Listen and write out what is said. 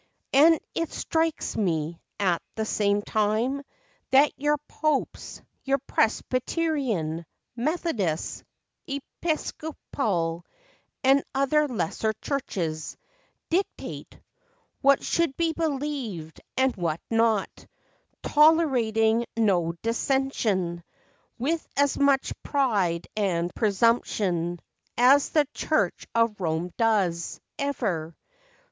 And it strikes me, at the same time, That your popes—your Presbyterian, Methodist, Episcopal, and Other lesser churches—dictate What should be believed, and what not, Tolerating no dissension, With as much pride and presumption As the Church of Rome does, ever.